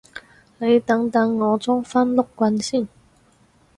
你等等我裝返碌棍先